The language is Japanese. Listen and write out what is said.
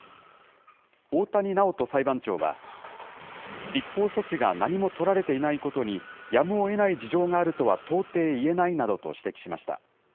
大谷直人裁判長は、立法措置が何も取られていないことに、やむをえない事情があるとは到底いえないなどと指摘しました。